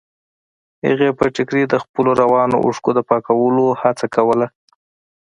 هغې په ټيکري د خپلو روانو اوښکو د پاکولو هڅه کوله.